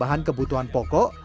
dan menjaga kebutuhan pokok